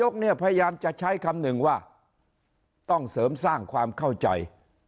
เขาจะใช้คำหนึ่งว่าต้องเสริมสร้างความเข้าใจ